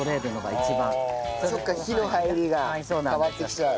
そっか火の入りが変わってきちゃう。